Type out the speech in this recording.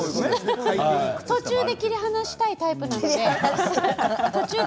途中で切り離したいタイプなので。